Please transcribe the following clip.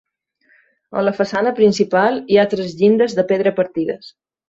A la façana principal hi ha tres llindes de pedra partides.